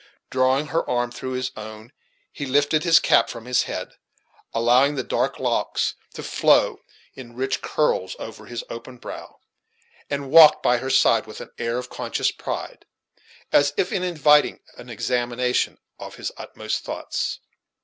Drawing her arm through his own, he lifted his cap from his head, allowing the dark locks to flow in rich curls over his open brow, and walked by her side with an air of conscious pride, as if inviting an examination of his utmost thoughts.